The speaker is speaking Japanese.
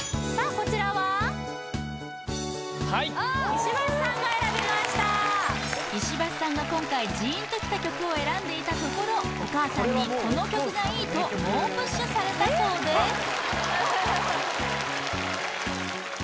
こちらははい石橋さんが選びました石橋さんが今回ジーンときた曲を選んでいたところお母さんにこの曲がいいと猛プッシュされたそうですああ！